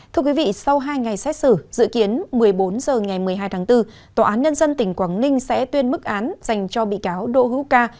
thưa quý vị sau hai ngày xét xử dự kiến một mươi bốn h ngày một mươi hai tháng bốn tòa án nhân dân tỉnh quảng ninh sẽ tuyên mức án dành cho bị cáo đỗ hữu ca